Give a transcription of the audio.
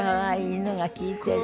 犬が聴いてる。